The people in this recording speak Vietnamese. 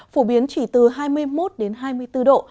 phổ biến chỉ từ hai mươi một đến hai mươi bốn độ